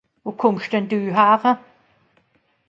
Wo kùmmsch denn dü häre?